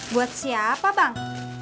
buat siapa bang